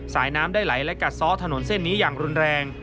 น้ำได้ไหลและกัดซ้อถนนเส้นนี้อย่างรุนแรง